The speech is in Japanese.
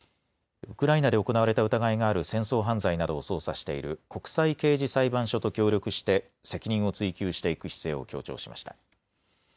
ウクライナで行われた疑いがある戦争犯罪などを捜査している国際刑事裁判所と協力して責任を追及していく姿勢を強調しました。